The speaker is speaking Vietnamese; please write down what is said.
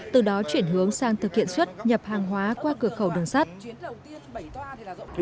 từ đó chuyển hướng sang thực hiện xuất nhập hàng hóa qua cửa khẩu đường sắt